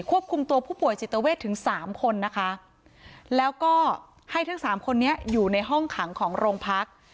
ควบคุมตัวผู้ป่วยจิตเวทถึงสามคนนะคะแล้วก็ให้ทั้งสามคนนี้อยู่ในห้องขังของโรงพัก